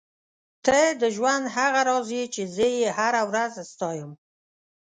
ته د ژوند هغه راز یې چې زه یې هره ورځ ستایم.